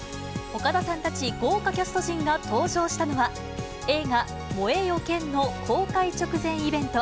岡田さんたち豪華キャスト陣たちが登場したのは、映画、燃えよ剣の公開直前イベント。